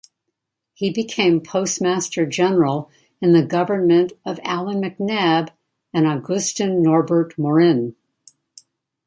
He became Postmaster General in the government of Allan MacNab and Augustin-Norbert Morin.